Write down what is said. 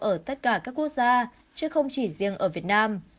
ở tất cả các quốc gia chứ không chỉ riêng ở việt nam